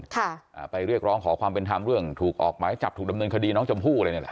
ค่ะอ่าไปเรียกร้องขอความเป็นธรรมเรื่องถูกออกหมายจับถูกดำเนินคดีน้องชมพู่อะไรนี่แหละ